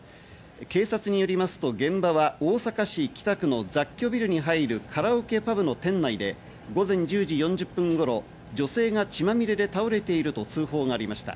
警察によりますと現場は大阪市北区の雑居ビルに入るカラオケパブの店内で、午前１０時４０分頃、女性が血まみれで倒れていると通報がありました。